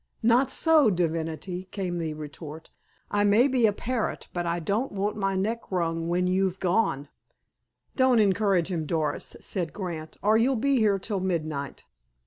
"Not so, divinity," came the retort. "I may be a parrot, but I don't want my neck wrung when you've gone." "Don't encourage him, Doris," said Grant, "or you'll be here till midnight."